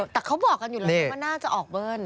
แต่เขาบอกกันอยู่แล้วว่าน่าจะออกเบิ้ล